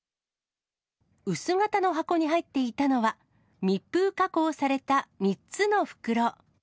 薄型の箱に入っていたのは、密封加工された３つの袋。